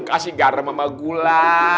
kasih garam sama gula